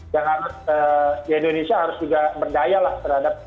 yang di indonesia harus juga berdaya lah terhadap aplikasi